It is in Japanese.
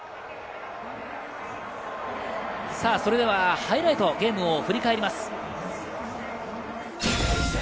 それではハイライト、ゲームを振り返ります。